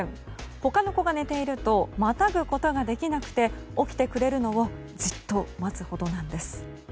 他の子が寝ているとまたぐことができなくて起きてくれるのをじっと待つほどなんです。